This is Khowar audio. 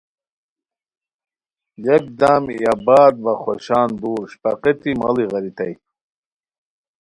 یکدم ای آ باد و ا خوشان دُور اشپاقیٹی ماڑی غیریتائے